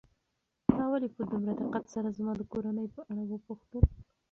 تا ولې په دومره دقت سره زما د کورنۍ په اړه وپوښتل؟